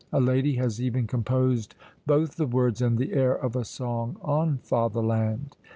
A lady has even composed both the words and the air of a song on "Father land."